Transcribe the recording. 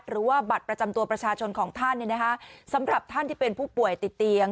หรือว่าบัตรประจำตัวประชาชนของท่านสำหรับท่านที่เป็นผู้ป่วยติดเตียง